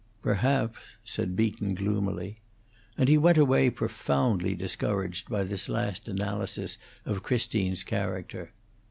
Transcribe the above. "Perhaps," said Beaton, gloomily; and he went away profoundly discouraged by this last analysis of Christine's character.